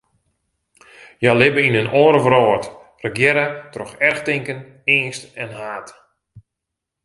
Hja libbe yn in oare wrâld, regearre troch erchtinken, eangst en haat.